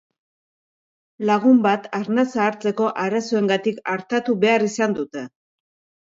Lagun bat arnasa hartzeko arazoengatik artatu behar izan dute.